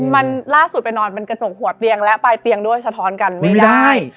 มันล่าสุดไปนอนเป็นกระจกหัวเตียงและปลายเตียงด้วยสะท้อนกันไม่ได้